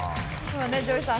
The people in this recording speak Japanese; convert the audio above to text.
ＪＯＹさん